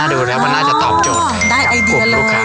ดูแล้วมันน่าจะตอบโจทย์กับกลุ่มลูกค้า